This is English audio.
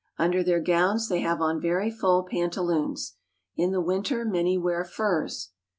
Under their gowns they have on very full pantaloons. In the winter many wear furs.